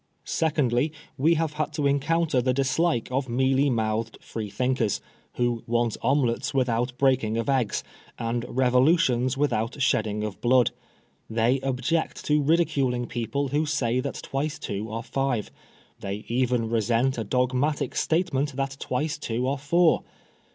" Secondly, we have had to encounter the dislike of mealy mouthed Freethinkers, who want omelettes without breaking of eggs and revolutions without shedding of blood. They object to ridiculing people who say that twice two are five. They even resent a dogmatic statement that twice two are four.